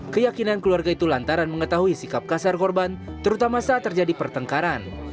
keyakinan keluarga itu lantaran mengetahui sikap kasar korban terutama saat terjadi pertengkaran